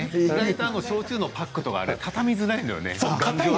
焼酎のパックとか畳みづらいのよね。